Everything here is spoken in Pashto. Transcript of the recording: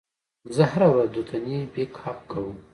زه هره ورځ دوتنې بک اپ کوم.